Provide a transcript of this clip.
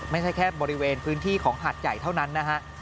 ไม่ใช่แค่บริเวณพื้นที่ของหาดใหญ่เท่านั้นนะฮะ